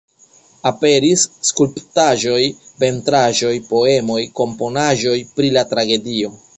Aperis skulptaĵoj, pentraĵoj, poemoj, komponaĵoj pri la tragedio.